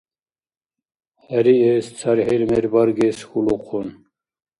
ХӀериэс цархӀил мер баргес хьулухъун.